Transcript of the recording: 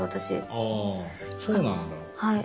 あそうなんだ。